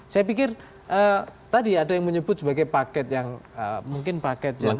saya pikir tadi ada yang menyebut sebagai paket yang mungkin paket yang